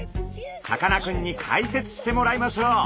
さかなクンに解説してもらいましょう。